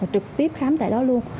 trực tiếp khám tại đó luôn